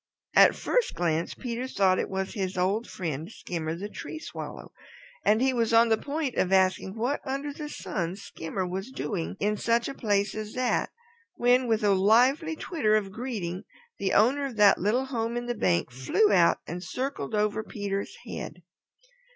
At first glance Peter thought it was his old friend, Skimmer the Tree Swallow, and he was just on the point of asking what under the sun Skimmer was doing in such a place as that, when with a lively twitter of greeting the owner of that little hole in the bank flew out and circled over Peter's head.